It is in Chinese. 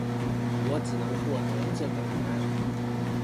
我只能获得这个答案